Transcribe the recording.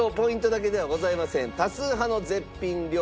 多数派の絶品料理